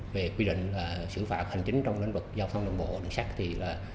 về quy định xử phạt hành chính trong nền vực giao thông đồng bộ đường sắc thì là